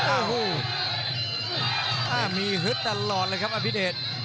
โอ้โหมีฮึดตลอดเลยครับอภิเดช